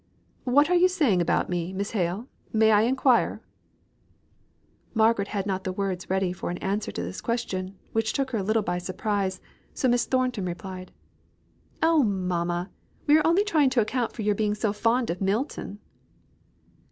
"What are you saying about me, Miss Hale? May I inquire?" Margaret had not the words ready for an answer to this question, which took her a little by surprise, so Miss Thornton replied: "Oh, mamma! we are only trying to account for your being so fond of Milton."